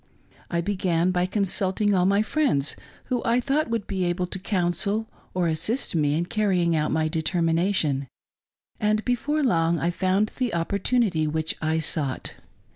I began by consulting all my friends who I thought would be able to counsel or assist me in carrying out my determination ; and before long I found the opportunity which I sought.